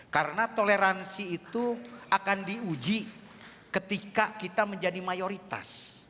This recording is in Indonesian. karena toleransi itu akan diuji ketika kita menjadi mayoritas